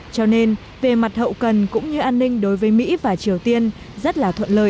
cho nên về mặt hậu cần cũng như an ninh đối với mỹ và triều tiên rất là thuận lợi